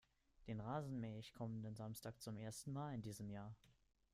Den Rasen mähe ich kommenden Samstag zum ersten Mal in diesem Jahr.